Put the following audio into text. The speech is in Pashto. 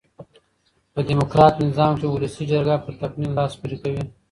په ډیموکرات نظام کښي اولسي جرګه په تقنين لاس پوري کوي.